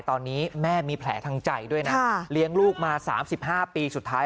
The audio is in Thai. ตอนนี้แม่มีแผลทางใจด้วยนะเลี้ยงลูกมา๓๕ปีสุดท้าย